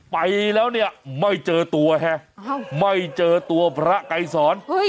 ไปแล้วเนี่ยไม่เจอตัวฮะไม่เจอตัวพระไกรสอน